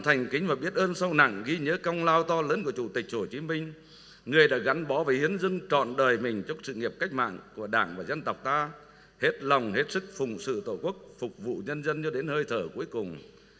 tên tuổi và sự nghiệp của chủ tịch hồ chí minh người đã gắn bó với hiến dân trọn đời mình trong sự nghiệp cách mạng của đảng và dân tộc ta hết lòng hết sức phùng sự tổ quốc phục vụ nhân dân cho đến hơi thở cuối cùng